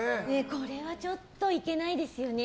これはちょっといけないですよね。